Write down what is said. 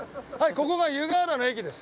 ここ、湯河原の駅です。